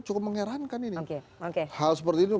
cukup mengerankan ini hal seperti itu